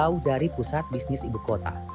jauh dari pusat bisnis ibu kota